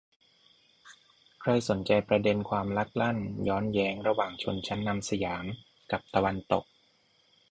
ใครสนใจประเด็นความลักลั่นย้อนแย้งระหว่างชนชั้นนำสยามกับตะวันตก